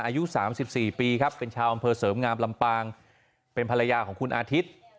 อายุ๓๔ปีครับเป็นชาวอำเภอเสริมงามลำปางเป็นภรรยาของคุณอาทิตย์